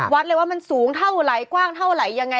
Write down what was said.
วัดเลยว่ามันสูงเท่าไหร่กว้างเท่าไหร่ยังไง